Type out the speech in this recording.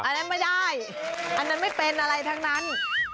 อันนั้นไม่ได้อันนั้นไม่เป็นอะไรทั้งนั้น